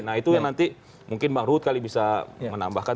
nah itu yang nanti mungkin bang ruhut kali bisa menambahkan